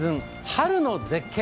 春の絶景」。